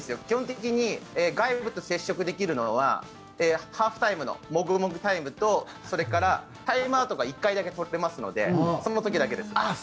基本的に外部と接触できるのはハーフタイムのもぐもぐタイムとそれから、タイムアウトが１回だけ取れますのでそうなんだ。